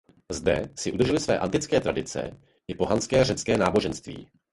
Zde si drželi své antické tradice i pohanské řecké náboženství.